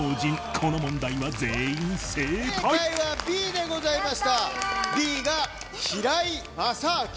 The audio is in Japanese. この問題は正解はＢでございましたＢが平井まさあき